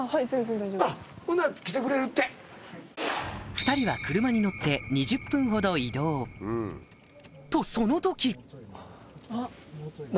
２人は車に乗って２０分ほど移動とその時何？